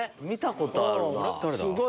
見たことあるな。